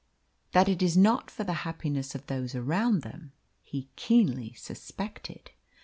That it is not for the happiness of those around them, he keenly suspected.